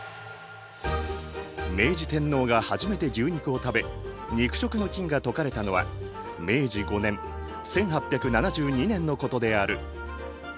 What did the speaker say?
明治天皇が初めて牛肉を食べ肉食の禁が解かれたのは明治５年１８７２年のことである。